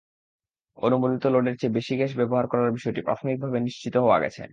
অনুমোদিত লোডের চেয়ে বেশি গ্যাস ব্যবহার করার বিষয়টি প্রাথমিকভাবে নিশ্চিত হওয়া গেছে।